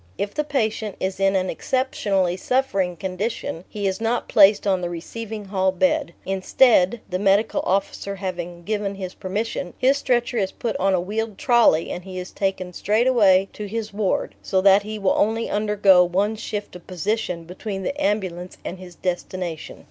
If the patient is in an exceptionally suffering condition he is not placed on the receiving hall bed; instead the Medical Officer having given his permission his stretcher is put on a wheeled trolley and he is taken straight away to his ward, so that he will only undergo one shift of position between the ambulance and his destination.